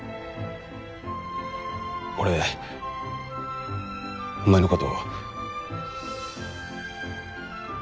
俺お前のこと。